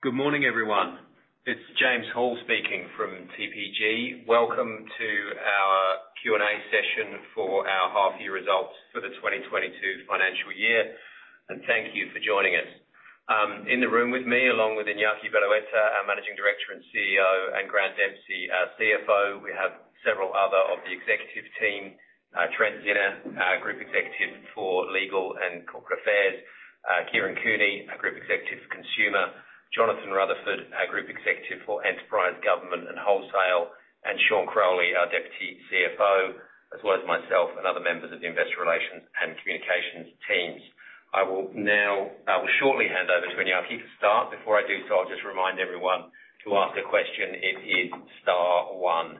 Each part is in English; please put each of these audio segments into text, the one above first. Good morning, everyone. It's James Hall speaking from TPG. Welcome to our Q&A session for our half year results for the 2022 financial year, and thank you for joining us. In the room with me, along with Iñaki Berroeta, our Managing Director and CEO, and Grant Dempsey, our CFO, we have several other of the executive team. Trent Czinner, our Group Executive for Legal and Corporate Affairs. Kieren Cooney, our Group Executive for Consumer. Jonathan Rutherford, our Group Executive for Enterprise Government and Wholesale, and Sean Crowley, our Deputy CFO, as well as myself and other members of the investor relations and communications teams. I will shortly hand over to Iñaki to start. Before I do so, I'll just remind everyone to ask a question. It is star one.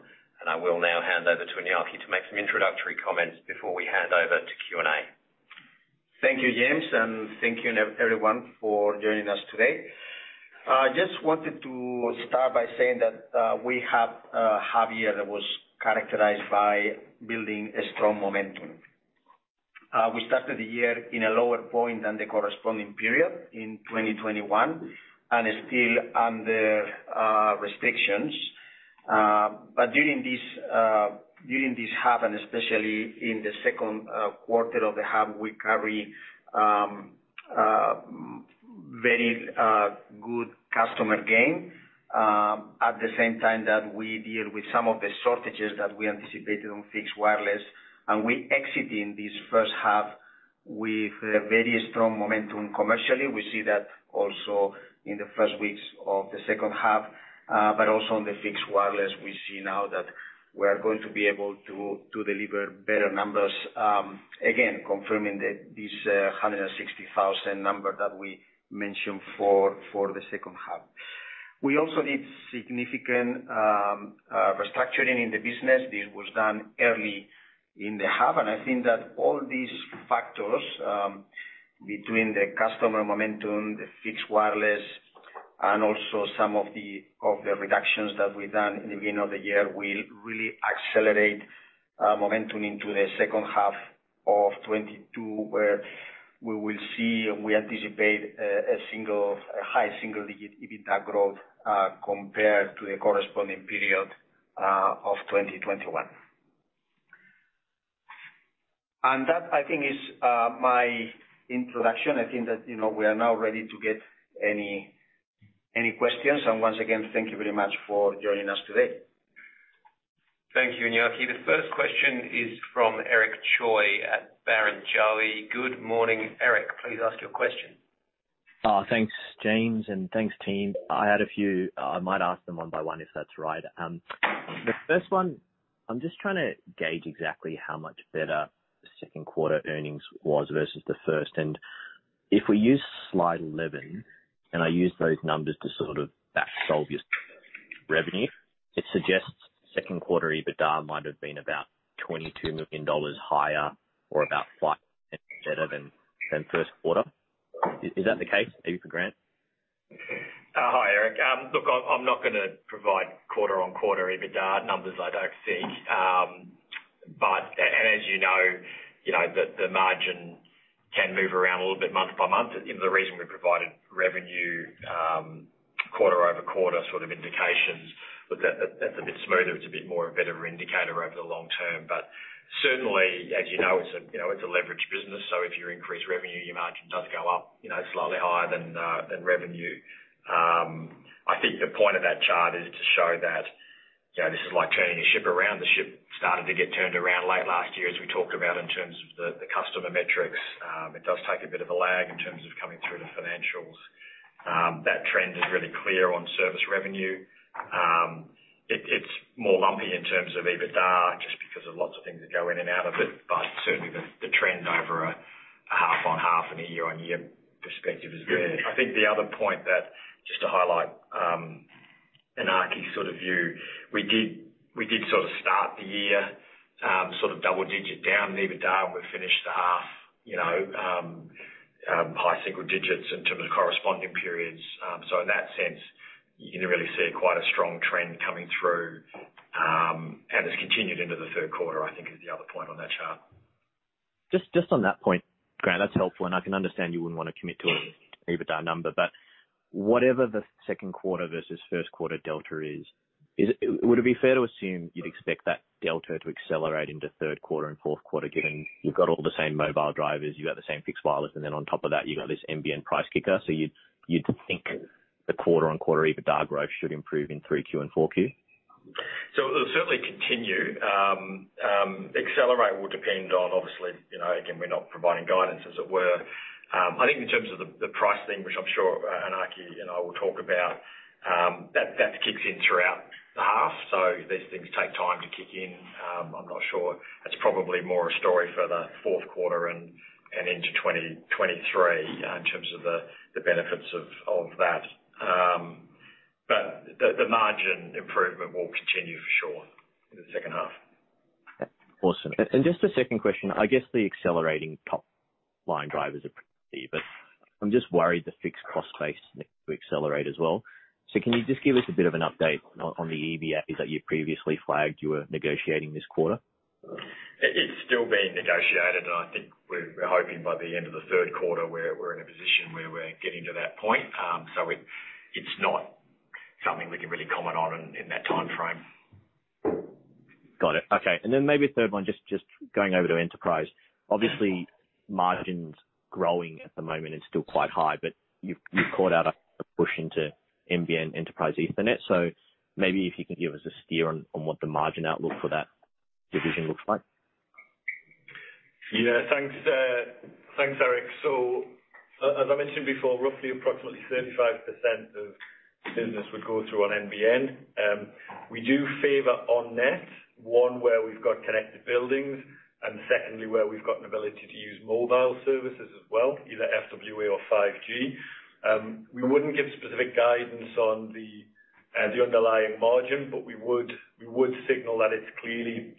I will now hand over to Iñaki to make some introductory comments before we hand over to Q&A. Thank you, James, and thank you everyone for joining us today. I just wanted to start by saying that we have a half year that was characterized by building a strong momentum. We started the year in a lower point than the corresponding period in 2021 and still under restrictions. But during this half, and especially in the second quarter of the half, we carry a very good customer gain. At the same time that we deal with some of the shortages that we anticipated on Fixed Wireless, and we're exiting this first half with a very strong momentum commercially. We see that also in the first weeks of the second half. But also on the Fixed Wireless, we see now that we are going to be able to deliver better numbers, again, confirming this 160,000 number that we mentioned for the second half. We also did significant restructuring in the business. This was done early in the half, and I think that all these factors, between the customer momentum, the Fixed Wireless, and also some of the reductions that we've done in the beginning of the year, will really accelerate momentum into the second half of 2022, where we will see and we anticipate a high single-digit EBITDA growth, compared to the corresponding period of 2021. That, I think, is my introduction. I think that, you know, we are now ready to get any questions. Once again, thank you very much for joining us today. Thank you, Iñaki. The first question is from Eric Choi at Barrenjoey. Good morning, Eric. Please ask your question. Thanks, James, and thanks, team. I had a few. I might ask them one by one, if that's right. The first one, I'm just trying to gauge exactly how much better the second quarter earnings was versus the first. If we use slide 11, and I use those numbers to sort of back solve your revenue, it suggests second quarter EBITDA might have been about 22 million dollars higher or about 5% better than first quarter. Is that the case, maybe for Grant? Hi, Eric. Look, I'm not gonna provide quarter-on-quarter EBITDA numbers, I don't think. As you know, you know, the margin can move around a little bit month-by-month. The reason we provided revenue, quarter-over-quarter sort of indications, but that's a bit smoother. It's a bit more of a better indicator over the long term. Certainly, as you know, it's a, you know, it's a leveraged business, so if you increase revenue, your margin does go up, you know, slightly higher than revenue. I think the point of that chart is to show that, you know, this is like turning a ship around. The ship started to get turned around late last year, as we talked about in terms of the customer metrics. It does take a bit of a lag in terms of coming through the financials. That trend is really clear on service revenue. It's more lumpy in terms of EBITDA just because of lots of things that go in and out of it. Certainly the trend over a half-on-half and a year-on-year perspective is good. I think the other point that, just to highlight, Iñaki's sort of view, we did sort of start the year, sort of double digit down in EBITDA, and we finished the half, you know, high single digits in terms of corresponding periods. In that sense, you can really see quite a strong trend coming through, and it's continued into the third quarter, I think is the other point on that chart. Just on that point, Grant, that's helpful, and I can understand you wouldn't want to commit to an EBITDA number. Whatever the second quarter versus first quarter delta is, would it be fair to assume you'd expect that delta to accelerate into third quarter and fourth quarter, given you've got all the same mobile drivers, you've got the same Fixed Wireless, and then on top of that, you've got this NBN price kicker. You'd think the quarter-on-quarter EBITDA growth should improve in 3Q and 4Q? It'll certainly continue. Accelerate will depend on obviously, you know, again, we're not providing guidance as it were. I think in terms of the price thing, which I'm sure, Iñaki and I will talk about, that kicks in throughout the half. I'm not sure. That's probably more a story for the fourth quarter and into 2023 in terms of the benefits of that. The margin improvement will continue for sure in the second half. Awesome. Just a second question. I guess the accelerating top-line drivers are pretty, but I'm just worried the fixed cost base will accelerate as well. Can you just give us a bit of an update on the EBAs that you previously flagged you were negotiating this quarter? It's still being negotiated, and I think we're hoping by the end of the third quarter, we're in a position where we're getting to that point. It's not something we can really comment on in that timeframe. Got it. Okay. Then maybe a third one, just going over to enterprise. Obviously, margin's growing at the moment and still quite high, but you've called out a push into NBN Enterprise Ethernet. Maybe if you can give us a steer on what the margin outlook for that division looks like. Yeah, thanks, Eric. As I mentioned before, roughly approximately 35% of business would go through on NBN. We do favor on net, one, where we've got connected buildings, and secondly, where we've got an ability to use mobile services as well, either FWA or 5G. We wouldn't give specific guidance on the underlying margin, but we would signal that it's clearly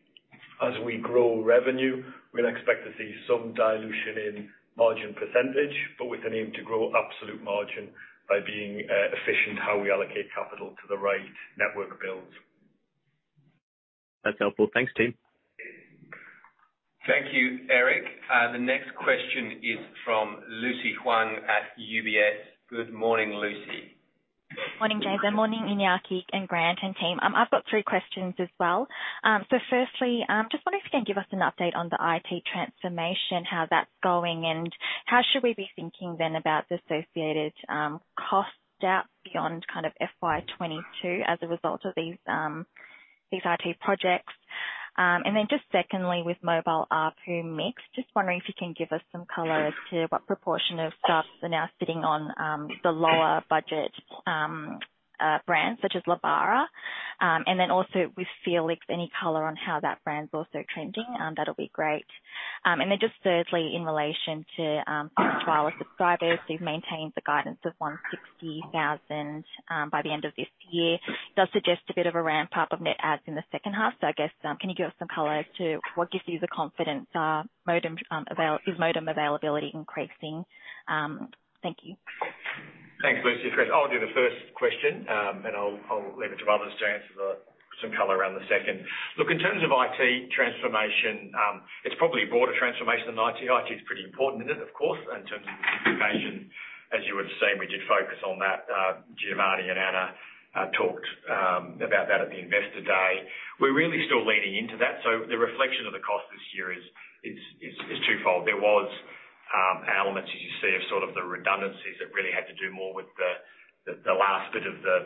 as we grow revenue, we'd expect to see some dilution in margin percentage, but with an aim to grow absolute margin by being efficient how we allocate capital to the right network builds. That's helpful. Thanks, team. Thank you, Eric. The next question is from Lucy Huang at UBS. Good morning, Lucy. Morning, James, and morning, Iñaki and Grant and team. I've got three questions as well. Firstly, just wonder if you can give us an update on the IT transformation, how that's going, and how should we be thinking then about the associated costs out beyond kind of FY 2022 as a result of these IT projects. Secondly, with mobile ARPU mix, just wondering if you can give us some color as to what proportion of subs are now sitting on the lower budget brands such as Lebara. Then also with felix, any color on how that brand's also trending, that'll be great. Thirdly, in relation to fixed wireless subscribers, you've maintained the guidance of 160,000 by the end of this year. Does suggest a bit of a ramp-up of net adds in the second half. I guess, can you give us some color as to what gives you the confidence. Is modem availability increasing? Thank you. Thanks, Lucy. Great. I'll do the first question, and I'll leave it to others to answer some color around the second. Look, in terms of IT transformation, it's probably a broader transformation than IT. IT is pretty important in it, of course. In terms of the transformation, as you would have seen, we did focus on that. Giovanni and Ana talked about that at the Investor Day. We're really still leaning into that. The reflection of the cost this year is twofold. There was elements as you see of sort of the redundancies that really had to do more with the last bit of the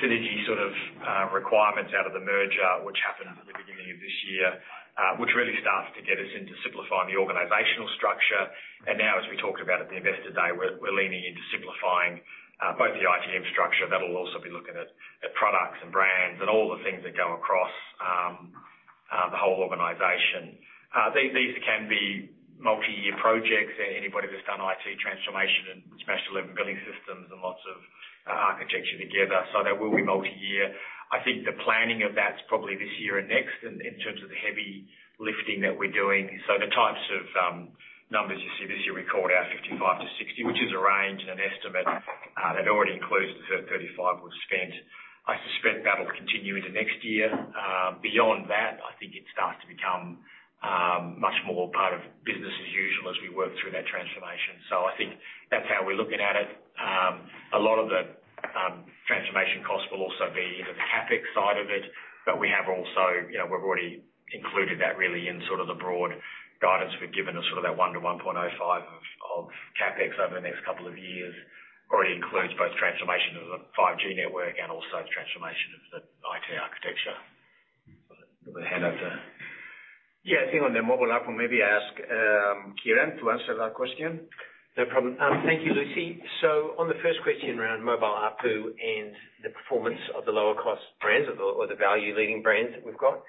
synergy sort of requirements out of the merger, which happened at the beginning of this year. Which really starts to get us into simplifying the organizational structure. Now, as we talked about at the Investor Day, we're leaning into simplifying both the IT infrastructure. That'll also be looking at products and brands and all the things that go across the whole organization. These can be multi-year projects. Anybody who's done IT transformation and especially building systems and lots of architecture together, so they will be multi-year. I think the planning of that's probably this year and next in terms of the heavy lifting that we're doing. The types of numbers you see this year, we called out 55-60, which is a range and an estimate that already includes the 35 we've spent. I suspect that'll continue into next year. Beyond that, I think it starts to become much more part of business as usual as we work through that transformation. I think that's how we're looking at it. A lot of the transformation costs will also be in the CapEx side of it, but we have also, you know, we've already included that really in sort of the broad guidance we've given of sort of that 1 to 1.05 of CapEx over the next couple of years. Already includes both transformation of the 5G network and also transformation of the IT architecture. I'm gonna hand over to- Yeah. I think on the mobile ARPU, maybe ask Kieren to answer that question. No problem. Thank you, Lucy. On the first question around mobile ARPU and the performance of the lower cost brands or the value leading brands that we've got.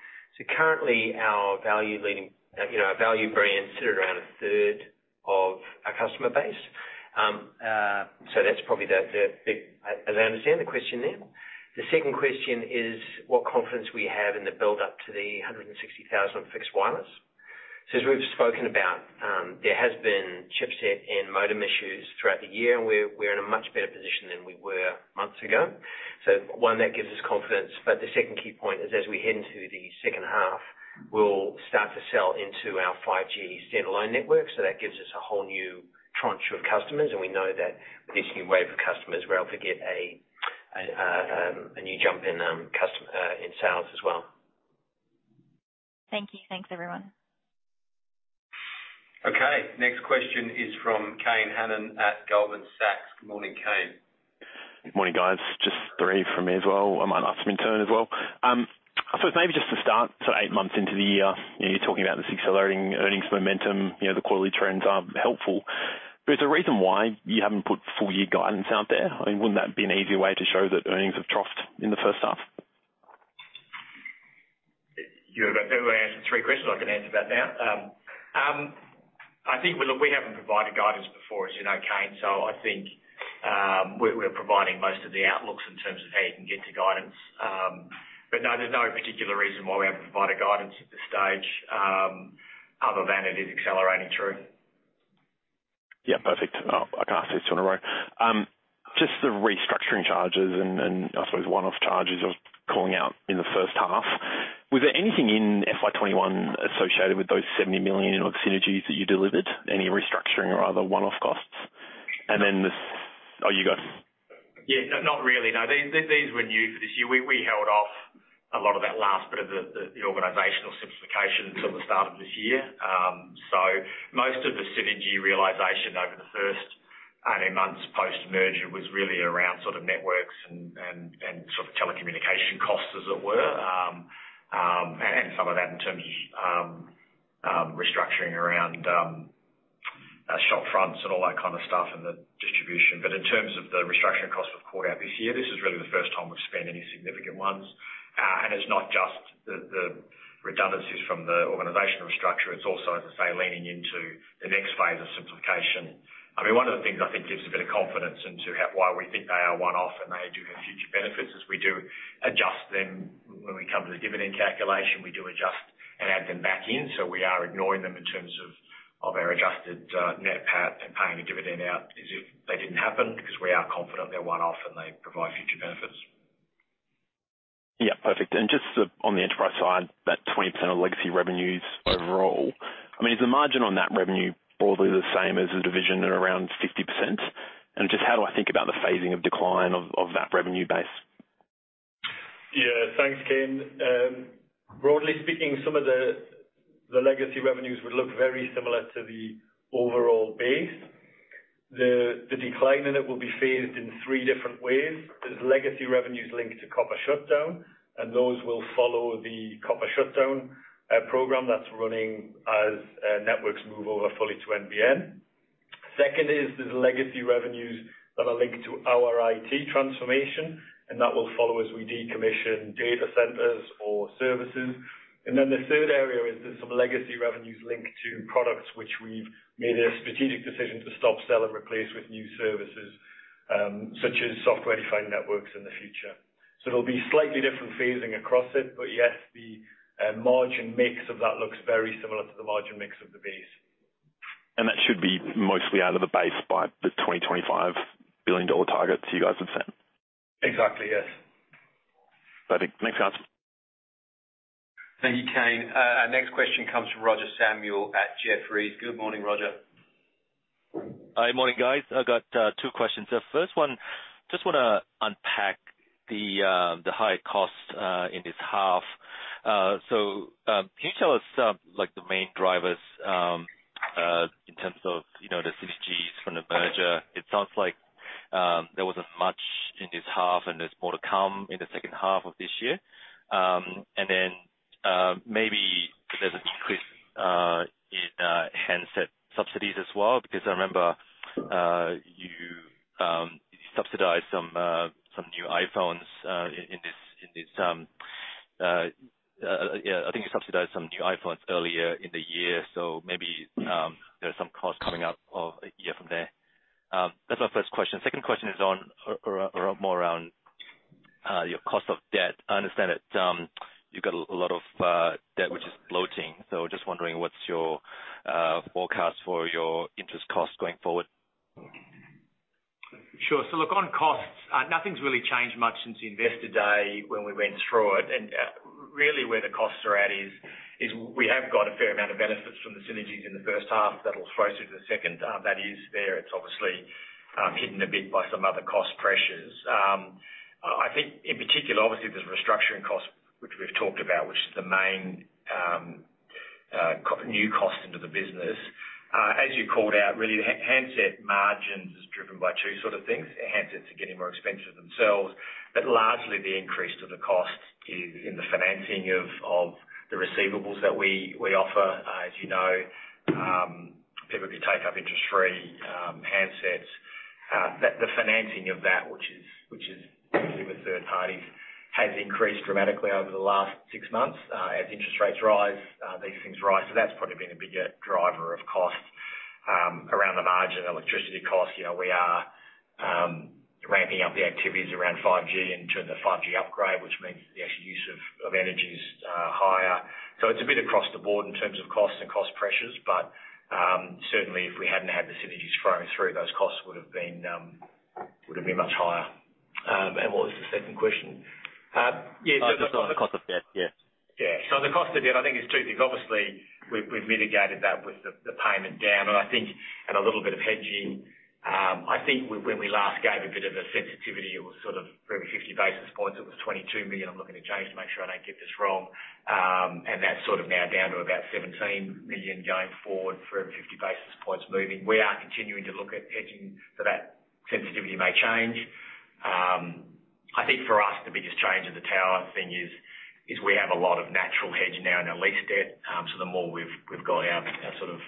Currently our value leading, you know, our value brands sit around a third of our customer base. That's probably the big. As I understand the question there. The second question is what confidence we have in the build up to the 160,000 Fixed Wireless. As we've spoken about, there has been chipset and modem issues throughout the year, and we're in a much better position than we were months ago. One, that gives us confidence. The second key point is as we head into the second half, we'll start to sell into our 5G Standalone network. That gives us a whole new tranche of customers. We know that with this new wave of customers, we're able to get a new jump in sales as well. Thank you. Thanks, everyone. Okay. Next question is from Kane Hannan at Goldman Sachs. Good morning, Kane. Good morning, guys. Just three from me as well. I might ask them in turn as well. I suppose maybe just to start, so eight months into the year, you're talking about this accelerating earnings momentum. You know, the quarterly trends are helpful. Is there a reason why you haven't put full year guidance out there? I mean, wouldn't that be an easier way to show that earnings have troughed in the first half? You're about to answer three questions. I can answer that now. I think, well, look, we haven't provided guidance before, as you know, Kane, so I think, we're providing most of the outlooks in terms of how you can get to guidance. No, there's no particular reason why we haven't provided guidance at this stage, other than it is accelerating through. Yeah. Perfect. I can ask these two in a row. Just the restructuring charges and I suppose one-off charges you're calling out in the first half. Was there anything in FY 2021 associated with those 70 million in synergies that you delivered? Any restructuring or other one-off costs? Oh, you go. Yeah. No, not really, no. These were new for this year. We held off a lot of that last bit of the organizational simplifications till the start of this year. So most of the synergy realization over the first 18 months post-merger was really around sort of networks and sort of telecommunication costs, as it were. Some of that in terms of restructuring around our shop fronts and all that kind of stuff and the distribution. In terms of the restructuring costs we've called out this year, this is really the first time we've seen any significant ones. It's not just the redundancies from the organizational restructure, it's also, as I say, leaning into the next phase of simplification. I mean, one of the things I think gives a bit of confidence into how why we think they are one-off and they do have future benefits is we do adjust them when we come to the dividend calculation. We do adjust and add them back in. We are ignoring them in terms of our adjusted net PAT and paying a dividend out as if they didn't happen, because we are confident they're one-off and they provide future benefits. Yeah. Perfect. Just the, on the enterprise side, that 20% of legacy revenues overall, I mean, is the margin on that revenue broadly the same as the division at around 50%? Just how do I think about the phasing of decline of that revenue base? Yeah. Thanks, Kane. Broadly speaking, some of the legacy revenues would look very similar to the overall base. The decline in it will be phased in three different ways. There's legacy revenues linked to copper shutdown, and those will follow the copper shutdown program that's running as networks move over fully to NBN. Second is, there's legacy revenues that are linked to our IT transformation, and that will follow as we decommission data centers or services. Then the third area is there's some legacy revenues linked to products which we've made a strategic decision to stop, sell, and replace with new services, such as software-defined networks in the future. It'll be slightly different phasing across it, but yes, the margin mix of that looks very similar to the margin mix of the base. That should be mostly out of the base by the 2025 billion-dollar targets you guys have set? Exactly, yes. Perfect. Makes sense. Thank you, Kane. Our next question comes from Roger Samuel at Jefferies. Good morning, Roger. Hi. Morning, guys. I've got two questions. The first one, just wanna unpack the high cost in this half. So, can you tell us like the main drivers in terms of, you know, the synergies from the merger? It sounds like there wasn't much in this half, and there's more to come in the second half of this year. And then, maybe there's an increase in handset subsidies as well, because I remember you subsidized some new iPhones earlier in the year. So maybe there's some costs coming out of a year from there. That's my first question. Second question is on or more around your cost of debt. I understand that you've got a lot of debt which is ballooning. Just wondering what's your forecast for your interest costs going forward? Sure. Look, on costs, nothing's really changed much since Investor Day when we went through it. Really where the costs are at is we have got a fair amount of benefits from the synergies in the first half that'll flow through to the second. That is there. It's obviously hidden a bit by some other cost pressures. I think in particular, obviously, there's restructuring costs, which we've talked about, which is the main new cost into the business. As you called out, really, the handset margins is driven by two sort of things. Handsets are getting more expensive themselves, but largely the increase to the cost is in the financing of the receivables that we offer. As you know, people can take up interest-free handsets. The financing of that, which is usually with third parties, has increased dramatically over the last six months. As interest rates rise, these things rise. That's probably been a bigger driver of cost around the margin. Electricity costs, you know, we are ramping up the activities around 5G in terms of 5G upgrade, which means the actual use of energy is higher. It's a bit across the board in terms of costs and cost pressures. Certainly if we hadn't had the synergies flowing through, those costs would've been much higher. What was the second question? Yeah. Just on the cost of debt. Yeah. Yeah. On the cost of debt, I think it's two things. Obviously, we've mitigated that with the payment down, and I think a little bit of hedging. I think when we last gave a bit of a sensitivity, it was sort of for every 50 basis points, it was 22 million. I'm looking at James to make sure I don't get this wrong. And that's sort of now down to about 17 million going forward for every 50 basis points moving. We are continuing to look at hedging, so that sensitivity may change. I think for us, the biggest change in the tower thing is we have a lot of natural hedge now in our lease debt. The more we've got our sort of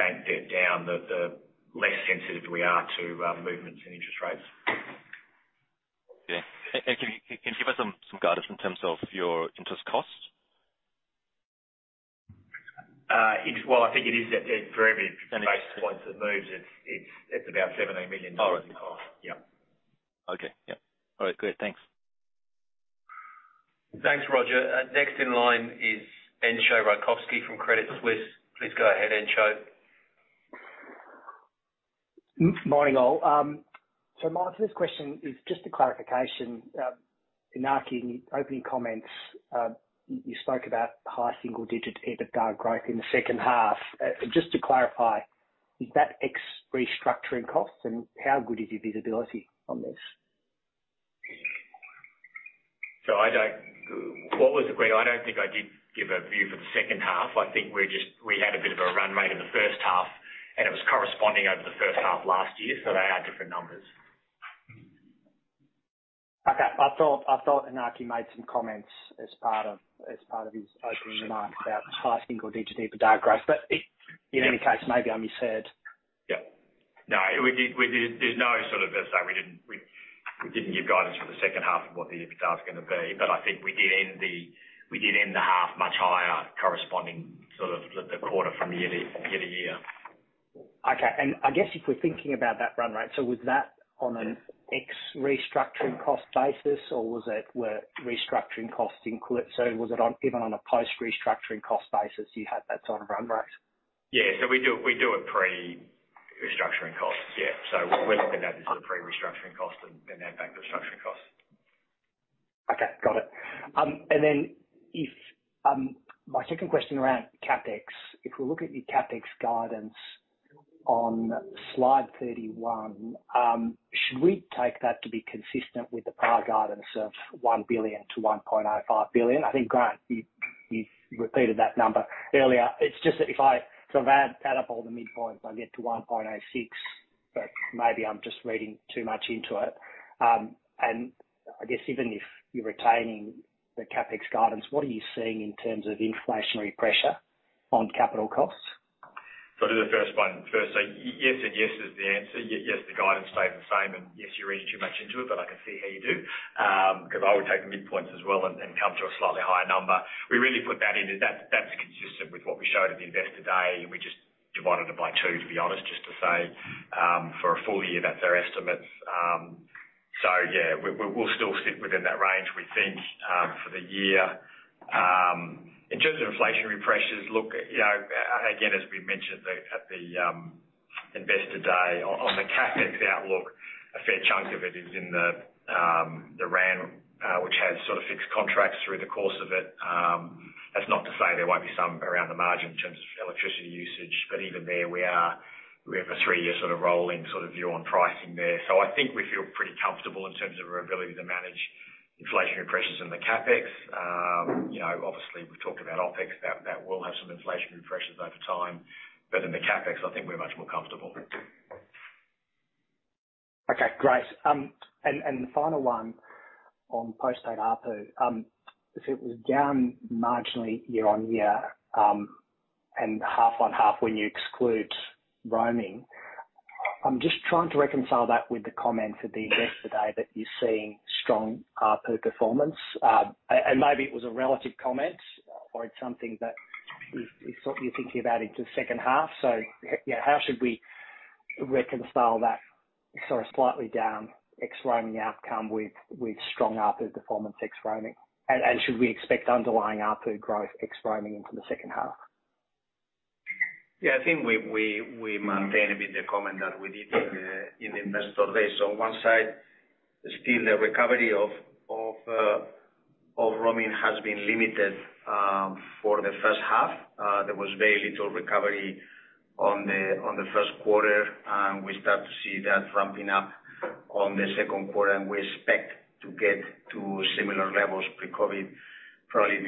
bank debt down, the less sensitive we are to movements in interest rates. Yeah. Can you give us some guidance in terms of your interest costs? I think it is that for every basis points it moves, it's about 17 million dollars in cost. All right. Yeah. Okay. Yeah. All right. Great. Thanks. Thanks, Roger. Next in line is Entcho Raykovski from Credit Suisse. Please go ahead, Encho. Morning all. Martin, this question is just a clarification. In Iñaki Berroeta's opening comments, you spoke about high single-digit EBITDA growth in the second half. Just to clarify, is that ex restructuring costs and how good is your visibility on this? I don't. What was the agreement? I don't think I did give a view for the second half. I think we had a bit of a run rate in the first half, and it was corresponding over the first half last year, so they had different numbers. Okay. I thought Iñaki Berroeta made some comments as part of his opening remarks about high single-digit EBITDA growth. In any case, maybe I misheard. Yeah. No, we did. There's no sort of let's say we didn't give guidance for the second half of what the EBITDA is gonna be. I think we did end the half much higher corresponding, sort of, the quarter from year-to-year. Okay. I guess if we're thinking about that run rate, so was that on an ex restructuring cost basis or was it with restructuring costs included? Was it on a post restructuring cost basis you had that sort of run rate? Yeah. We do it pre-restructuring costs. Yeah. We're looking at this as a pre-restructuring cost and then add back the restructuring costs. Okay. Got it. If my second question around CapEx, if we look at your CapEx guidance on slide 31, should we take that to be consistent with the prior guidance of 1 billion-1.05 billion? I think, Grant, you repeated that number earlier. It's just that if I sort of add up all the midpoints, I get to 1.06, but maybe I'm just reading too much into it. I guess even if you're retaining the CapEx guidance, what are you seeing in terms of inflationary pressure on capital costs? I'll do the first one first. Yes and yes is the answer. Yes, the guidance stays the same, and yes, you're reading too much into it, but I can see how you do. Because I would take the midpoints as well and come to a slightly higher number. We really put that in as that's consistent with what we showed at Investor Day, and we just divided it by two, to be honest, just to say, for a full year, that's our estimates. Yeah, we'll still sit within that range, we think, for the year. In terms of inflationary pressures, look, you know, again, as we mentioned at the Investor Day on the CapEx outlook, a fair chunk of it is in the RAN, which has sort of fixed contracts through the course of it. That's not to say there won't be some around the margin in terms of electricity usage, but even there we have a three-year sort of rolling view on pricing there. I think we feel pretty comfortable in terms of our ability to manage inflationary pressures in the CapEx. You know, obviously we've talked about OpEx. That will have some inflationary pressures over time. In the CapEx, I think we're much more comfortable. Okay, great. And the final one on postpaid ARPU, so it was down marginally year-on-year, and half-on-half when you exclude roaming. I'm just trying to reconcile that with the comment at the Investor Day that you're seeing strong ARPU performance. And maybe it was a relative comment or it's something that you're thinking about into second half. How should we reconcile that sort of slightly down ex roaming outcome with strong ARPU performance ex roaming? And should we expect underlying ARPU growth ex roaming into the second half? Yeah. I think we maintain a bit the comment that we did in the Investor Day. One side, still the recovery of roaming has been limited for the first half. There was very little recovery on the first quarter. We start to see that ramping up on the second quarter, and we expect to get to similar levels pre-COVID probably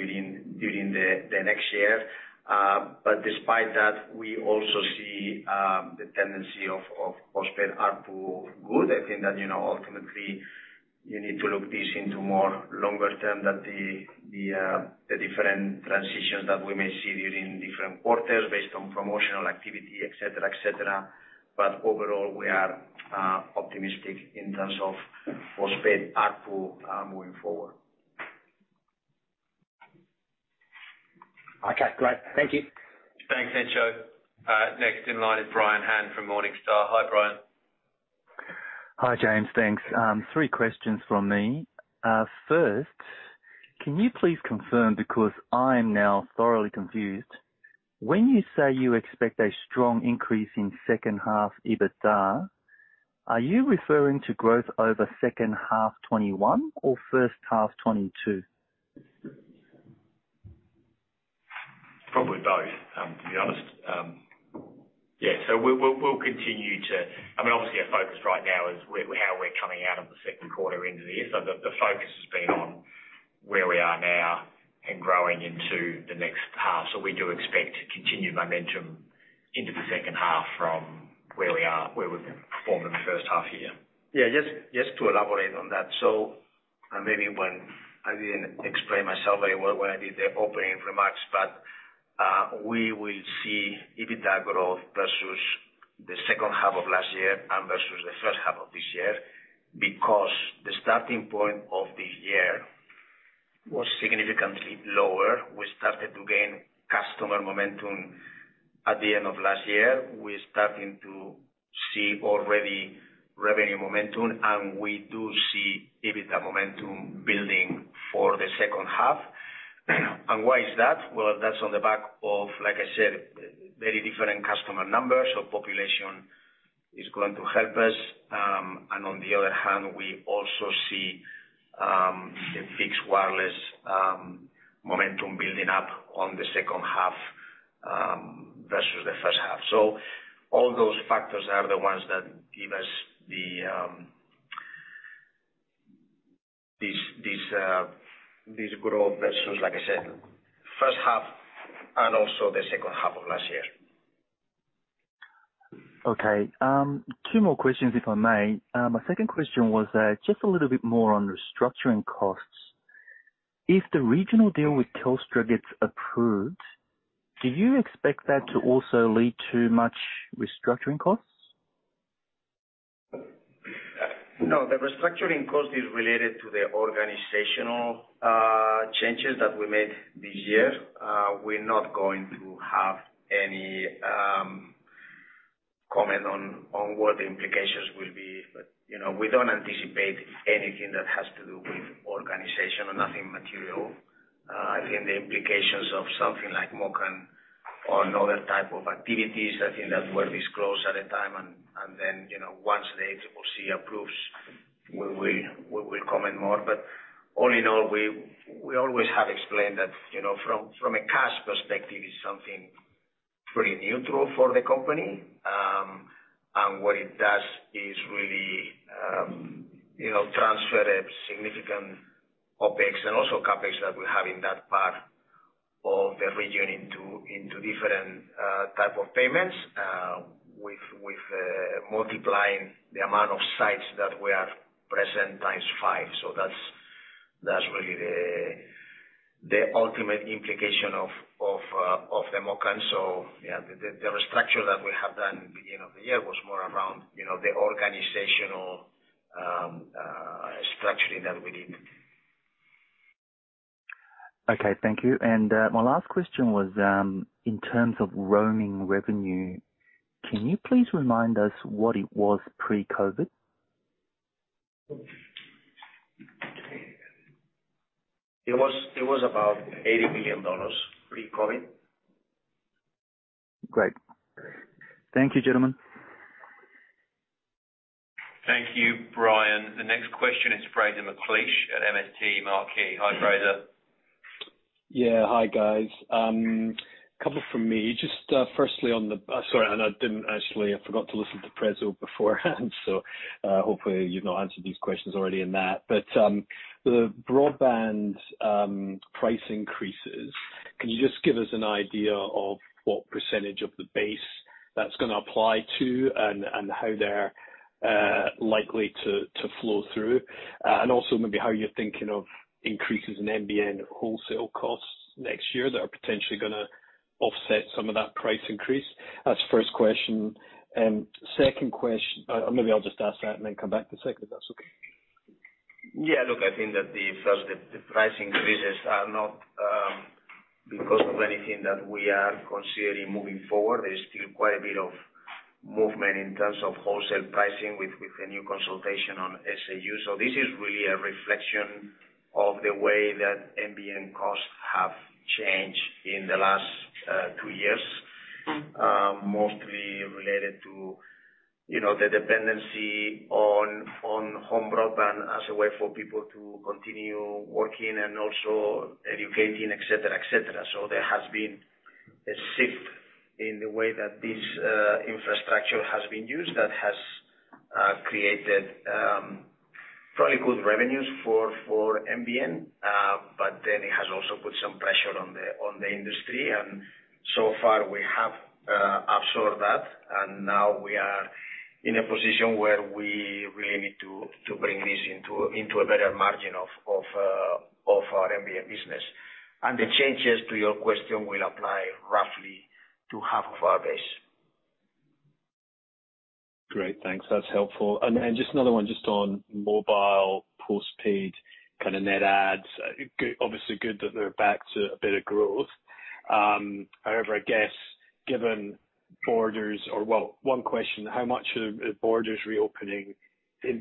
during the next year. Despite that, we also see the tendency of postpaid ARPU good. I think that, you know, ultimately you need to look this into more longer term than the different transitions that we may see during different quarters based on promotional activity, et cetera, et cetera. Overall, we are optimistic in terms of postpaid ARPU moving forward. Okay, great. Thank you. Thanks, Encho. Next in line is Brian Han from Morningstar. Hi, Brian. Hi, James. Thanks. Three questions from me. First, can you please confirm, because I'm now thoroughly confused. When you say you expect a strong increase in second half EBITDA, are you referring to growth over second half 2021 or first half 2022? Probably both, to be honest. Yeah. We'll continue to, I mean, obviously our focus right now is how we're coming out of the second quarter into there. The focus has been on where we are now and growing into the next half. We do expect continued momentum into the second half from where we are, where we've performed in the first half year. Yeah, just to elaborate on that. Maybe when I didn't explain myself very well when I did the opening remarks, but we will see EBITDA growth versus the second half of last year and versus the first half of this year because the starting point of this year was significantly lower. We started to gain customer momentum. At the end of last year, we're starting to see already revenue momentum, and we do see EBITDA momentum building for the second half. Why is that? Well, that's on the back of, like I said, very different customer numbers. Population is going to help us. On the other hand, we also see the fixed wireless momentum building up on the second half versus the first half. All those factors are the ones that give us these growth versus, like I said, first half and also the second half of last year. Okay. Two more questions, if I may. My second question was just a little bit more on restructuring costs. If the regional deal with Telstra gets approved, do you expect that to also lead to much restructuring costs? No, the restructuring cost is related to the organizational changes that we made this year. We're not going to have any comment on what the implications will be. You know, we don't anticipate anything that has to do with organization or nothing material. I think the implications of something like MOCN or another type of activities, I think that will disclose at a time. You know, once the ACCC approves, we will comment more. All in all, we always have explained that, you know, from a cash perspective, it's something pretty neutral for the company. What it does is really, you know, transfer a significant OpEx and also CapEx that we have in that part of the region into different type of payments with multiplying the amount of sites that we have present times five. That's really the ultimate implication of the MOCN. Yeah, the restructure that we have done beginning of the year was more around, you know, the organizational structuring that we need. Okay, thank you. My last question was, in terms of roaming revenue, can you please remind us what it was pre-COVID? It was about 80 million dollars pre-COVID. Great. Thank you, gentlemen. Thank you, Brian. The next question is Fraser McLeish at MST Marquee. Hi, Fraser. Yeah. Hi, guys. A couple from me. Sorry, I forgot to listen to the presentation beforehand, so hopefully you've not answered these questions already in that. The broadband price increases, can you just give us an idea of what percentage of the base that's gonna apply to and how they're likely to flow through? And also maybe how you're thinking of increases in NBN wholesale costs next year that are potentially gonna offset some of that price increase. That's the first question. Second question. Maybe I'll just ask that and then come back to the second, if that's okay. Yeah. Look, I think that the pricing increases are not because of anything that we are considering moving forward. There's still quite a bit of movement in terms of wholesale pricing with the new consultation on SAU. This is really a reflection of the way that NBN costs have changed in the last two years, mostly related to, you know, the dependency on home broadband as a way for people to continue working and also educating, et cetera, et cetera. There has been a shift in the way that this infrastructure has been used that has created probably good revenues for NBN. But then it has also put some pressure on the industry. So far we have absorbed that, and now we are in a position where we really need to bring this into a better margin of our NBN business. The changes, to your question, will apply roughly to half of our base. Great. Thanks. That's helpful. Just another one on mobile post-paid net adds. Obviously good that they're back to a bit of growth. However, I guess given borders reopening. Well, one question, how much are borders reopening?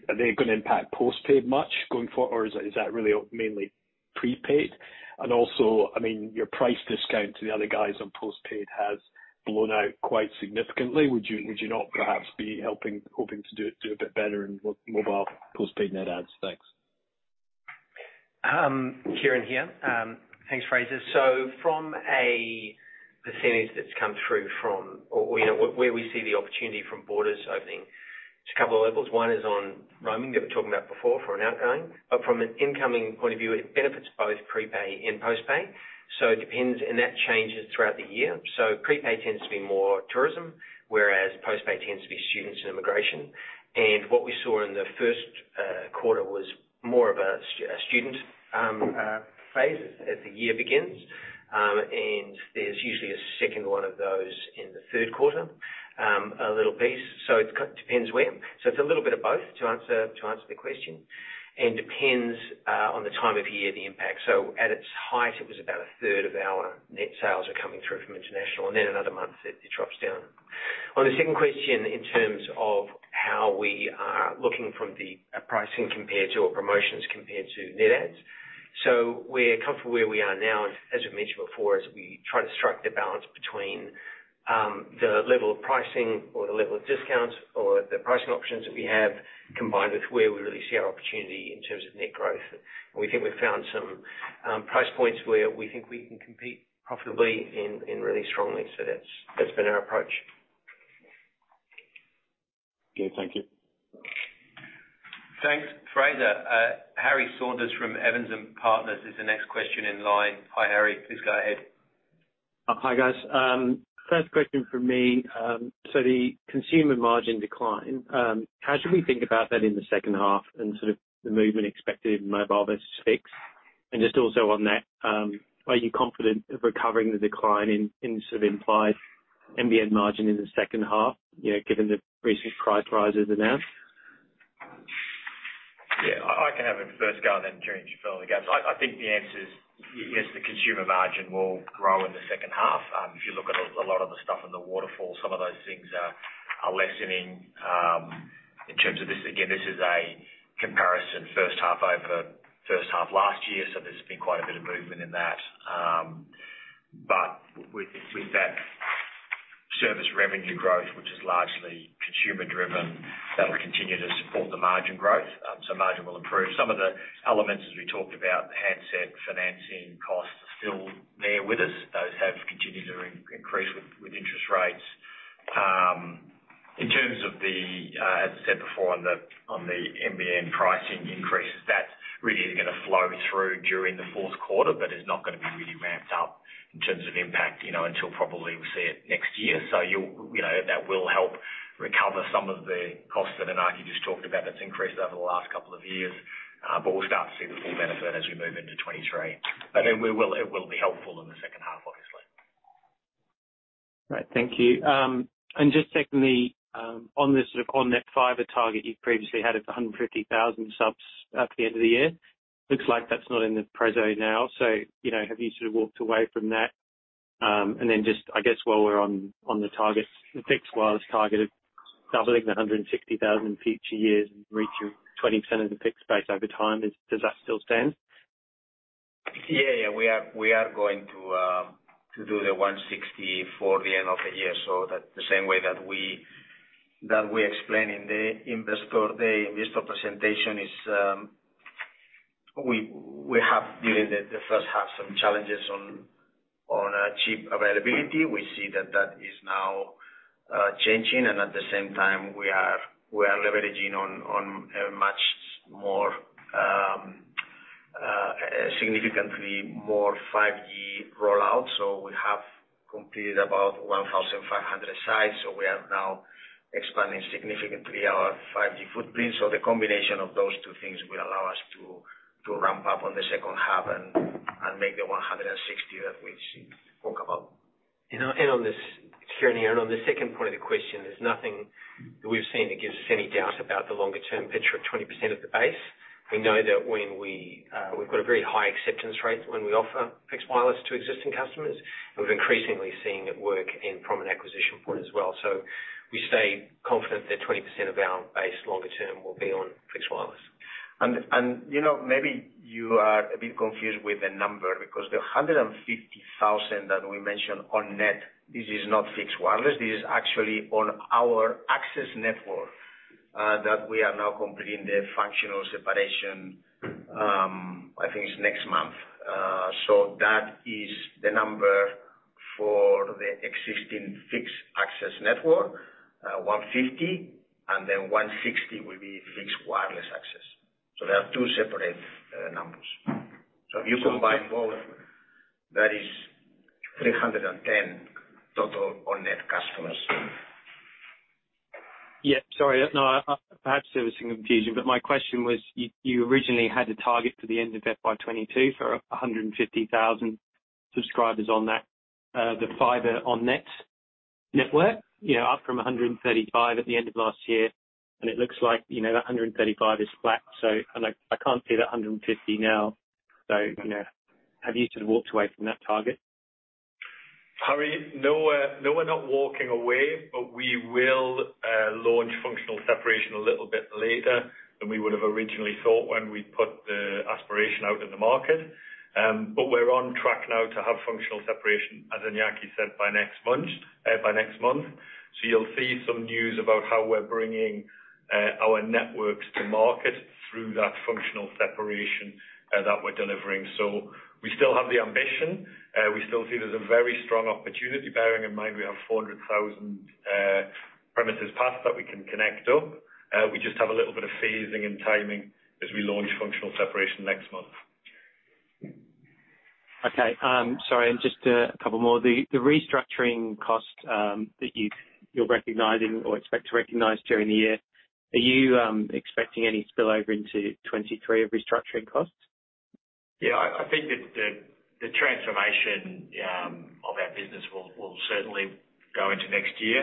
Are they gonna impact post-paid much going forward or is that really mainly pre-paid? Also, I mean, your price discount to the other guys on post-paid has blown out quite significantly. Would you not perhaps be hoping to do a bit better in mobile post-paid net adds? Thanks. Kieren here. Thanks, Fraser. From a percentage that's come through from, or, you know, where we see the opportunity from borders opening, it's a couple of levels. One is on roaming that we were talking about before for an outgoing. From an incoming point of view, it benefits both pre-pay and post-pay, so it depends, and that changes throughout the year. Pre-pay tends to be more tourism, whereas post-pay tends to be students and immigration. What we saw in the first quarter was more of a student phase as the year begins. There's usually a second one of those in the third quarter, a little bit. It kind of depends when. It's a little bit of both to answer the question. Depends on the time of year, the impact. At its height, it was about a third of our net sales are coming through from international, and then another month, it drops down. On the second question, in terms of how we are looking from the pricing compared to our promotions compared to net adds, so we're comfortable where we are now. As we've mentioned before, as we try to strike the balance between the level of pricing or the level of discounts or the pricing options that we have, combined with where we really see our opportunity in terms of net growth. We think we've found some price points where we think we can compete profitably and really strongly. That's been our approach. Okay, thank you. Thanks, Fraser. Harry Saunders from Evans & Partners is the next question in line. Hi, Harry, please go ahead. Hi, guys. First question from me. The consumer margin decline, how should we think about that in the second half and sort of the movement expected in mobile versus fixed? Just also on that, are you confident of recovering the decline in sort of implied NBN margin in the second half, you know, given the recent price rises announced? Yeah, I can have a first go and then Kieren can fill in the gaps. I think the answer is, yes, the consumer margin will grow in the second half. If you look at a lot of the stuff in the waterfall, some of those things are lessening. In terms of this, again, this is a comparison first half over first half last year, so there's been quite a bit of movement in that. With that service revenue growth, which is largely consumer driven, that'll continue to support the margin growth, so margin will improve. Some of the elements as we talked about, the handset financing costs are still there with us. Those have continued to increase with interest rates. In terms of the, as I said before on the NBN pricing increases, that really is gonna flow through during the fourth quarter, but is not gonna be really ramped up in terms of impact, you know, until probably we'll see it next year. That will help recover some of the costs that Iñaki just talked about that's increased over the last couple of years, but we'll start to see the full benefit as we move into 2023. It will be helpful in the second half, obviously. Right. Thank you. Just secondly, on this sort of on-net fiber target you previously had of 150,000 subs at the end of the year, looks like that's not in the preso now. You know, have you sort of walked away from that? Just, I guess, while we're on the targets, the Fixed Wireless target of doubling the 160,000 FWA two years and reaching 20% of the FWA space over time, does that still stand? Yeah, yeah. We are going to do the 160 for the end of the year, that the same way that we explain in the investor day, investor presentation is, we have during the first half some challenges on chip availability. We see that that is now changing, and at the same time we are leveraging on a much more significantly more 5G rollout. We have completed about 1,500 sites. We are now expanding significantly our 5G footprint. The combination of those two things will allow us to ramp up on the second half and make the 160 that we spoke about. On the second point of the question, there's nothing that we've seen that gives us any doubt about the longer term picture of 20% of the base. We know that when we've got a very high acceptance rate when we offer Fixed Wireless to existing customers, and we've increasingly seen it work in from an acquisition point as well. We stay confident that 20% of our base longer term will be on Fixed Wireless. You know, maybe you are a bit confused with the number because the 150,000 that we mentioned on net, this is not Fixed Wireless. This is actually on our access network that we are now completing the functional separation, I think it's next month. That is the number for the existing fixed access network, 150, and then 160 will be Fixed Wireless access. They are two separate numbers. If you combine both, that is 310 total on net customers. Yeah. Sorry. No, perhaps there was some confusion, but my question was you originally had a target for the end of FY 2022 for 150,000 subscribers on that, the fiber on net network, you know, up from 135 at the end of last year. It looks like, you know, that 135 is flat, so I can't see that 150 now. You know, have you sort of walked away from that target? Harry, no, we're not walking away, but we will launch functional separation a little bit later than we would've originally thought when we put the aspiration out in the market. We're on track now to have functional separation, as Iñaki said, by next month. You'll see some news about how we're bringing our networks to market through that functional separation that we're delivering. We still have the ambition. We still see there's a very strong opportunity, bearing in mind we have 400,000 premises passed that we can connect up. We just have a little bit of phasing and timing as we launch functional separation next month. Okay. Sorry, just a couple more. The restructuring cost that you're recognizing or expect to recognize during the year, are you expecting any spill over into 2023 of restructuring costs? Yeah, I think that the transformation of our business will certainly go into next year.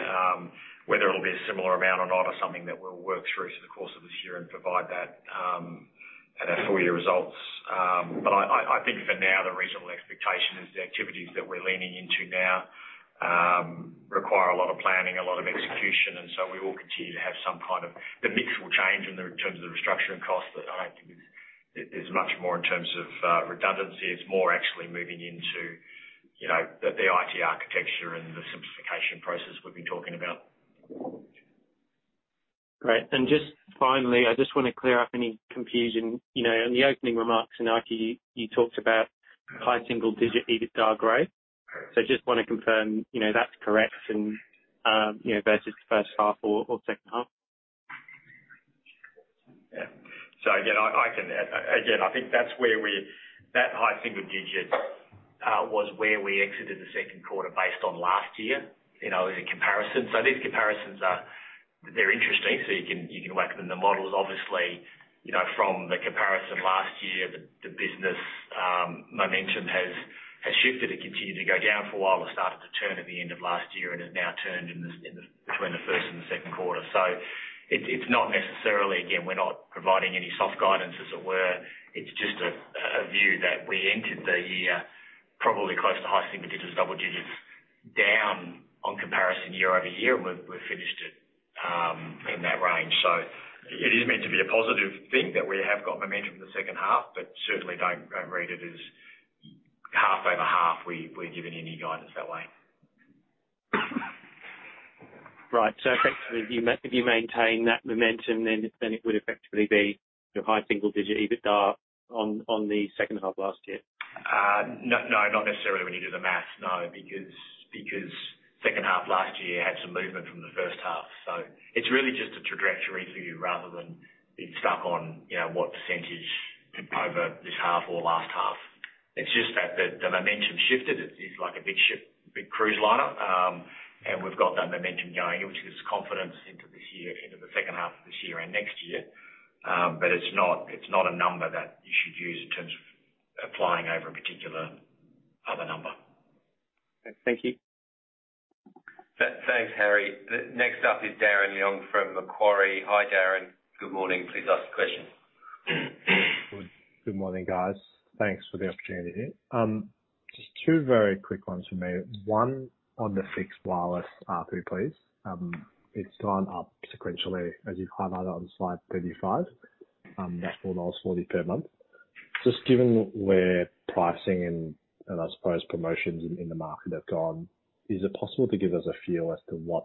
Whether it'll be a similar amount or not is something that we'll work through the course of this year and provide that at our full year results. I think for now the reasonable expectation is the activities that we're leaning into now require a lot of planning, a lot of execution, and so we will continue to have some kind of. The mix will change in terms of the restructuring costs, but I don't think it's much more in terms of redundancy. It's more actually moving into you know the IT architecture and the simplification process we've been talking about. Great. Just finally, I just wanna clear up any confusion. You know, in the opening remarks, Iñaki, you talked about high single digit EBITDA growth. Just wanna confirm, you know, that's correct and, you know, versus the first half or second half. I think that's where we exited the second quarter based on last year, you know, as a comparison. These comparisons are interesting, so you can work them. The models, obviously, you know, from the comparison last year, the business momentum has shifted. It continued to go down for a while. It started to turn at the end of last year and has now turned between the first and the second quarter. It's not necessarily, again, we're not providing any soft guidance as it were. It's just a view that we entered the year probably close to high single digits, double digits down on comparison year-over-year, and we've finished it in that range. It is meant to be a positive thing that we have got momentum in the second half, but certainly don't read it as half over half. We're giving you any guidance that way. Right. Effectively, if you maintain that momentum then, it would effectively be your high single digit EBITDA on the second half of last year? No, not necessarily when you do the math, no. Because second half last year had some movement from the first half. It's really just a trajectory for you rather than being stuck on, you know, what percentage over this half or last half. It's just that the momentum shifted. It's like a big ship, big cruise liner. We've got that momentum going, which gives us confidence into this year, into the second half of this year and next year. It's not a number that you should use in terms of applying over a particular other number. Thank you. Thanks, Harry. Next up is Darren Leung from Macquarie. Hi, Darren. Good morning. Please ask your question. Good morning, guys. Thanks for the opportunity. Just two very quick ones from me. One on the fixed wireless ARPU, please. It's gone up sequentially as you've highlighted on slide 35, that's 4.40 dollars per month. Just given where pricing and I suppose promotions in the market have gone, is it possible to give us a feel as to what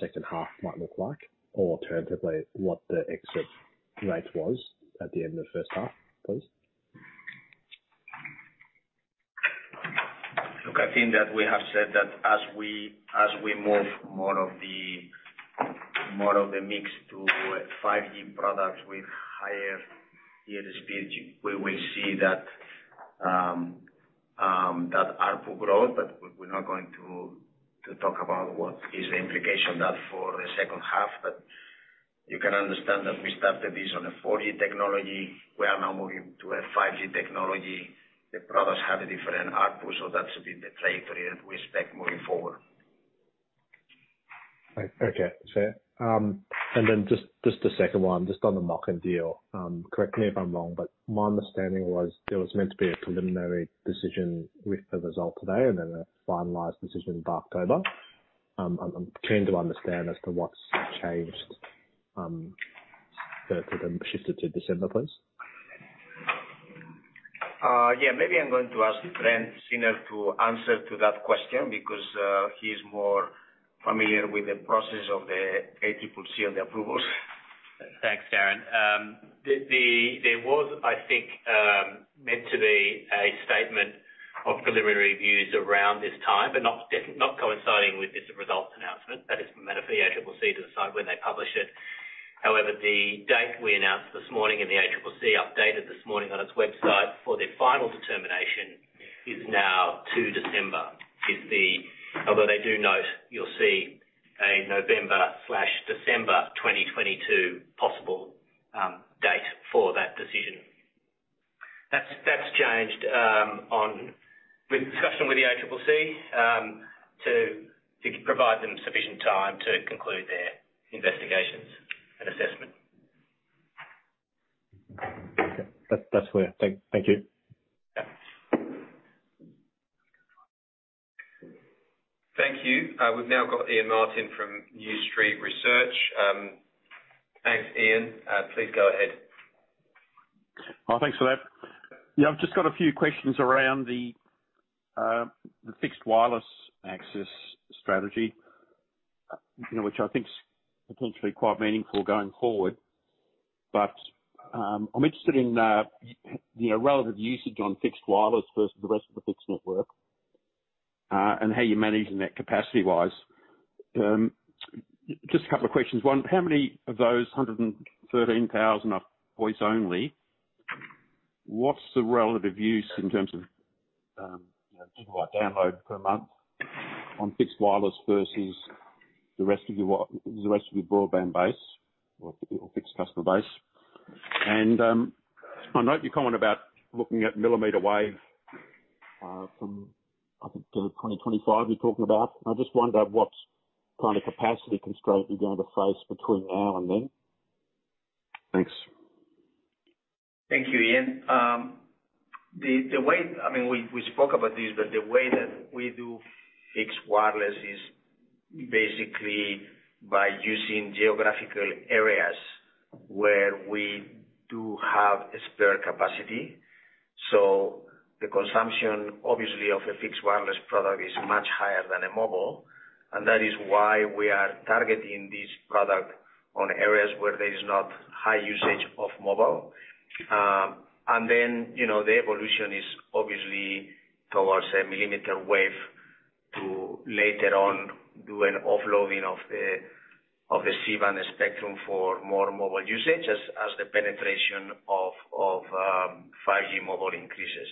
second half might look like? Or alternatively, what the exit rate was at the end of the first half, please? Look, I think that we have said that as we move more of the mix to 5G products with higher data speed, we will see that ARPU growth. We're not going to talk about what is the implication of that for the second half. You can understand that we started this on a 4G technology. We are now moving to a 5G technology. The products have a different ARPU, so that should be the trajectory that we expect moving forward. Just the second one, just on the MOCN deal. Correct me if I'm wrong, but my understanding was there was meant to be a preliminary decision with the result today and then a finalized decision in October. I'm keen to understand as to what's changed, so to then shift it to December, please. Yeah. Maybe I'm going to ask Trent Czinner to answer to that question because he's more familiar with the process of the ACCC and the approvals. Thanks, Darren. There was, I think, meant to be a statement of preliminary views around this time, but not coinciding with this results announcement. That is a matter for the ACCC to decide when they publish it. However, the date we announced this morning and the ACCC updated this morning on its website for the final determination is now 2 December. Although they do note, you'll see a November/December 2022 possible date for that decision. That's changed upon discussion with the ACCC to provide them sufficient time to conclude their investigations and assessment. That's clear. Thank you. Yeah. Thank you. We've now got Ian Martin from New Street Research. Thanks, Ian. Please go ahead. Well, thanks for that. Yeah, I've just got a few questions around the Fixed Wireless access strategy, you know, which I think's potentially quite meaningful going forward. I'm interested in, you know, relative usage on Fixed Wireless versus the rest of the fixed network, and how you're managing that capacity-wise. Just a couple of questions. One, how many of those 113,000 are voice only? What's the relative use in terms of, you know, gigabyte download per month on Fixed Wireless versus the rest of your broadband base or fixed customer base. I note your comment about looking at millimeter wave, from, I think, 2025 you're talking about. I just wonder what kind of capacity constraint you're going to face between now and then. Thanks. Thank you, Ian. We spoke about this, but the way that we do Fixed Wireless is basically by using geographical areas where we do have a spare capacity. The consumption, obviously, of a Fixed Wireless product is much higher than a mobile. That is why we are targeting this product on areas where there is not high usage of mobile. The evolution is obviously towards a millimeter wave to later on do an offloading of the C-band spectrum for more mobile usage as the penetration of 5G mobile increases.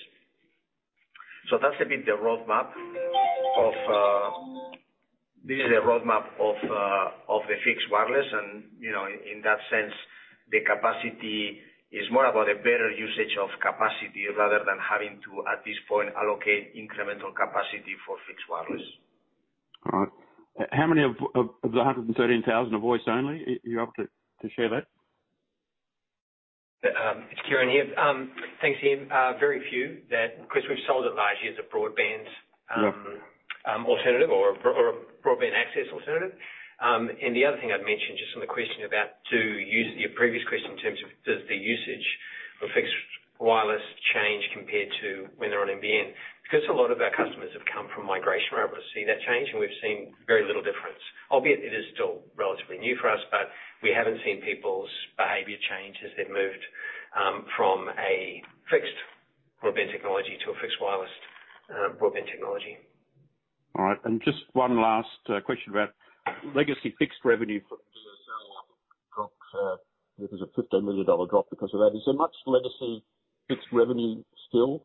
That's a bit the roadmap of This is a roadmap of the Fixed Wireless and, you know, in that sense, the capacity is more about a better usage of capacity rather than having to, at this point, allocate incremental capacity for Fixed Wireless. All right. How many of the 113,000 are voice only? Are you able to share that? It's Kieren here. Thanks, Ian. Very few that, because we've sold it largely as a broadband- Yeah. ...alternative or a broadband access alternative. The other thing I'd mention just on the question about to use your previous question in terms of does the usage of Fixed Wireless change compared to when they're on NBN. Because a lot of our customers have come from migration, we're able to see that change, and we've seen very little difference. Albeit it is still relatively new for us, but we haven't seen people's behavior change as they've moved from a fixed broadband technology to a Fixed Wireless broadband technology. All right. Just one last question about legacy fixed revenue from DSL products. It was a 15 million dollar drop because of that. Is there much legacy fixed revenue still?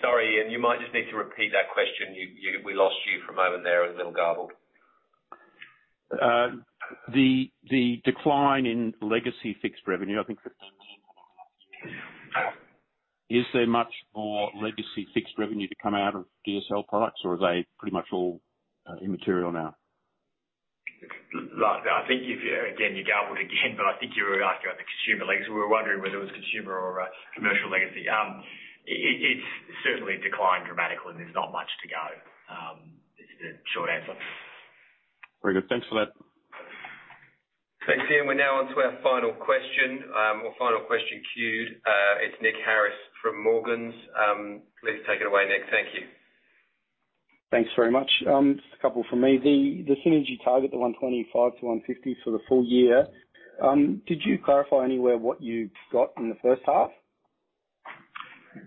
Sorry, Ian, you might just need to repeat that question. We lost you for a moment there. It was a little garbled. Is there much more legacy fixed revenue to come out of DSL products or are they pretty much all immaterial now? Lastly, I think if you, again, you're garbled again, but I think you were asking about the consumer legacy. We were wondering whether it was consumer or commercial legacy. It's certainly declined dramatically, and there's not much to go. Is the short answer. Very good. Thanks for that. Thanks, Ian. We're now on to our final question, or final question queued. It's Nick Harris from Morgans. Please take it away, Nick. Thank you. Thanks very much. Just a couple from me. The synergy target, the 125-150 for the full year, did you clarify anywhere what you got in the first half?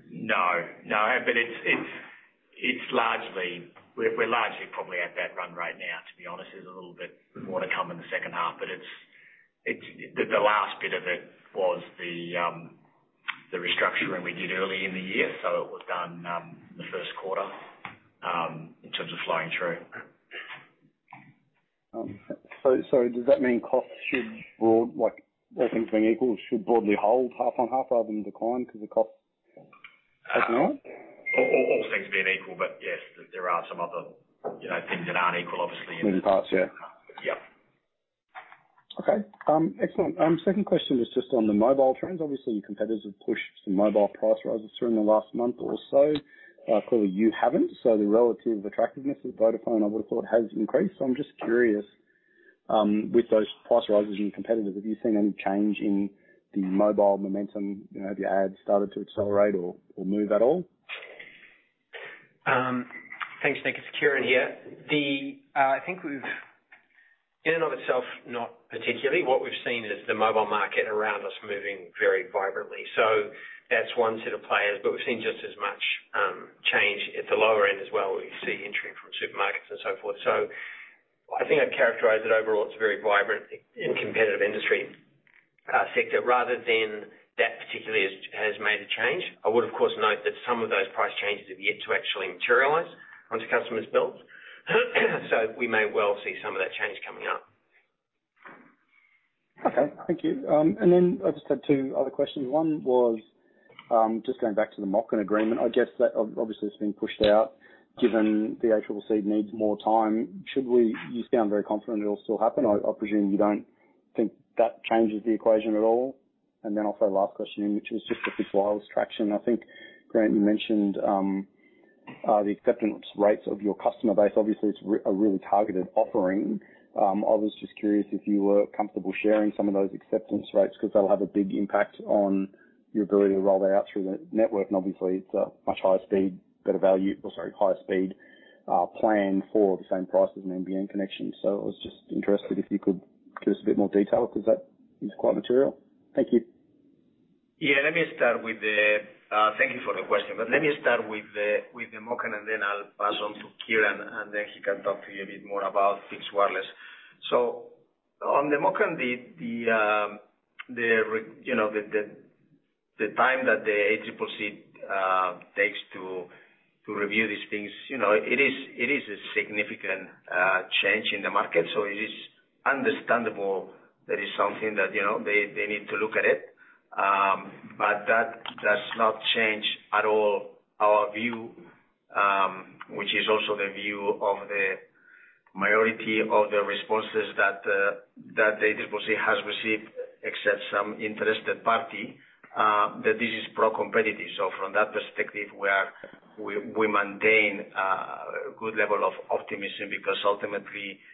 No, no. It's largely. We're largely probably at that run rate now, to be honest. There's a little bit more to come in the second half. The last bit of it was the restructuring we did early in the year. It was done in the first quarter in terms of flowing through. Does that mean costs should, like all things being equal, broadly hold half on half rather than decline because the costs have been right? All things being equal, but yes. There are some other, you know, things that aren't equal, obviously. Moving parts, yeah. Yeah. Okay. Excellent. Second question is just on the mobile trends. Obviously, your competitors have pushed some mobile price rises through in the last month or so. Clearly you haven't. The relative attractiveness of Vodafone, I would've thought, has increased. I'm just curious, with those price rises in your competitors, have you seen any change in the mobile momentum? You know, have your adds started to accelerate or move at all? Thanks, Nick. It's Kieren here. In and of itself, not particularly. What we've seen is the mobile market around us moving very vibrantly. That's one set of players, but we've seen just as much change at the lower end as well. We see entry from supermarkets and so forth. I think I'd characterize it overall. It's a very vibrant and competitive industry sector rather than that particularly has made a change. I would of course note that some of those price changes are yet to actually materialize onto customers' bills. We may well see some of that change coming up. Okay. Thank you. I just had two other questions. One was, just going back to the MOCN agreement. I guess that obviously it's been pushed out given the ACCC needs more time. Should we? You sound very confident it'll still happen. I presume you don't think that changes the equation at all. Also last question, which is just the Fixed Wireless traction. I think, Grant, you mentioned, the acceptance rates of your customer base. Obviously, it's really targeted offering. I was just curious if you were comfortable sharing some of those acceptance rates because that'll have a big impact on your ability to roll out through the network. Obviously it's a much higher speed, better value, or sorry, higher speed, plan for the same price as an NBN connection. I was just interested if you could give us a bit more detail because that is quite material. Thank you. Thank you for the question. Let me start with the MOCN, and then I'll pass on to Kieran, and then he can talk to you a bit more about fixed wireless. On the MOCN, the time that the ACCC takes to review these things, you know, it is a significant change in the market, so it is understandable that it's something that, you know, they need to look at it. But that does not change at all our view, which is also the view of the minority of the responses that the ACCC has received, except some interested party, that this is pro-competitive. From that perspective, we maintain a good level of optimism because ultimately, you know,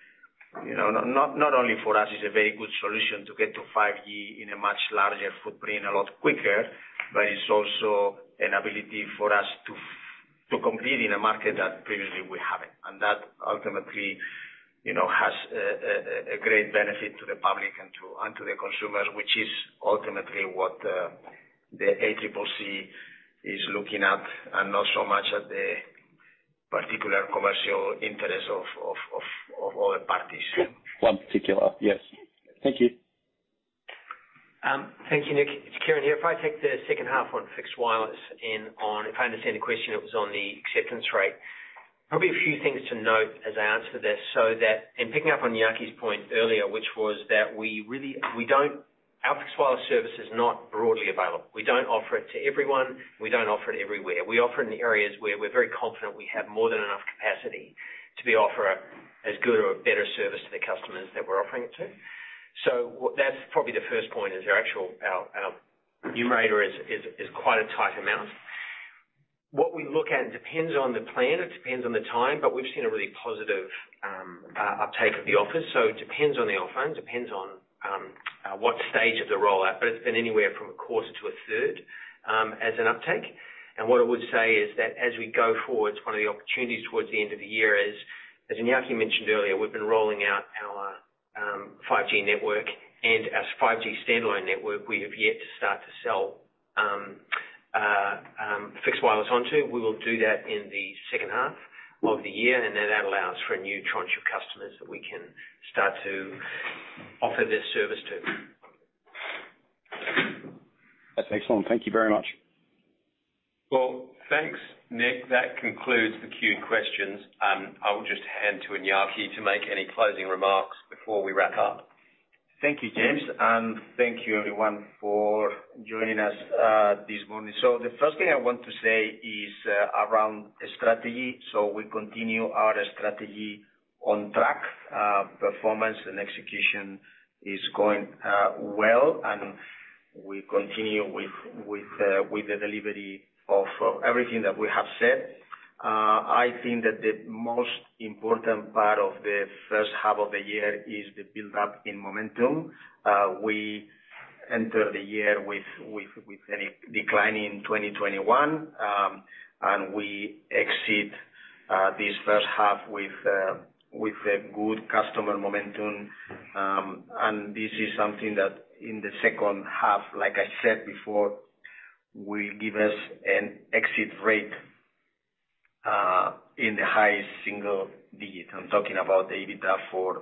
not only for us is a very good solution to get to 5G in a much larger footprint a lot quicker, but it's also an ability for us to compete in a market that previously we haven't. That ultimately, you know, has a great benefit to the public and to the consumers, which is ultimately what the ACCC is looking at and not so much at the particular commercial interests of other parties. One particular. Yes. Thank you. Thank you, Nick. It's Kieren here. If I take the second half on Fixed Wireless. If I understand the question, it was on the acceptance rate. Probably a few things to note as I answer this, so, in picking up on Iñaki's point earlier, which was that we really don't. Our Fixed Wireless service is not broadly available. We don't offer it to everyone. We don't offer it everywhere. We offer it in areas where we're very confident we have more than enough capacity to offer as good or better service to the customers that we're offering it to. That's probably the first point. Our actual numerator is quite a tight amount. What we look at depends on the plan, it depends on the time, but we've seen a really positive uptake of the offer. It depends on the offer and depends on what stage of the rollout. It's been anywhere from a quarter to a third as an uptake. What I would say is that as we go forward, one of the opportunities towards the end of the year is, as Iñaki mentioned earlier, we've been rolling out our 5G network and our 5G Standalone network, we have yet to start to sell Fixed Wireless onto. We will do that in the second half of the year, and then that allows for a new tranche of customers that we can start to offer this service to. That's excellent. Thank you very much. Well, thanks, Nick. That concludes the queued questions, and I will just hand to Iñaki to make any closing remarks before we wrap up. Thank you, James, and thank you everyone for joining us this morning. The first thing I want to say is around strategy. We continue our strategy on track. Performance and execution is going well, and we continue with the delivery of everything that we have said. I think that the most important part of the first half of the year is the build-up in momentum. We enter the year with a decline in 2021, and we exit this first half with a good customer momentum. This is something that in the second half, like I said before, will give us an exit rate in the high single digits. I'm talking about the EBITDA for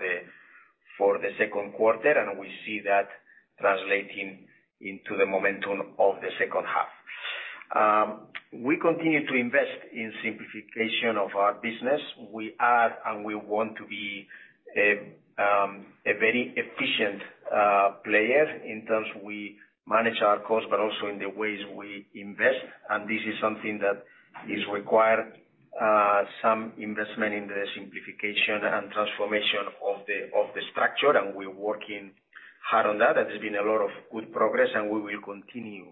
the second quarter, and we see that translating into the momentum of the second half. We continue to invest in simplification of our business. We are and we want to be a very efficient player in terms of how we manage our costs, but also in the ways we invest. This is something that is required, some investment in the simplification and transformation of the structure, and we're working hard on that. There's been a lot of good progress, and we will continue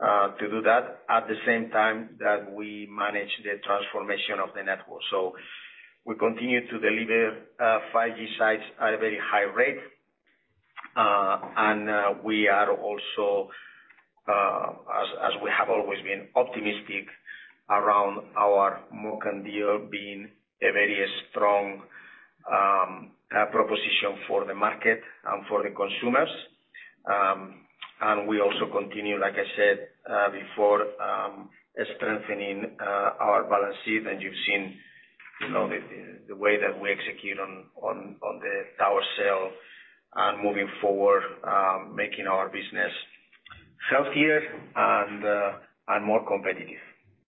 to do that at the same time that we manage the transformation of the network. We continue to deliver 5G sites at a very high rate. We are also, as we have always been, optimistic around our MOCN deal being a very strong proposition for the market and for the consumers. We also continue, like I said, before, strengthening our balance sheet. You've seen, you know, the way that we execute on the tower sale and moving forward, making our business healthier and more competitive.